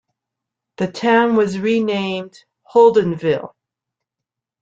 The town was renamed Holdenville.